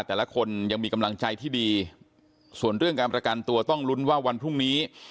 แต่ละคนยังมีกำลังใจที่ดีส่วนเรื่องการประกันตัวต้องลุ้นว่าวันพรุ่งนี้